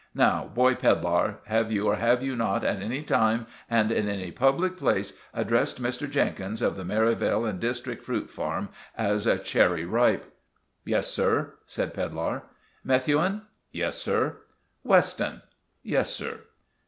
Now, boy Pedlar, have you or have you not, at any time and in any public place, addressed Mr. Jenkins, of the Merivale and District Fruit Farm, as 'Cherry Ripe'?" "Yes, sir," said Pedlar. "Methuen?" "Yes, sir." "Weston?" "Yes, sir."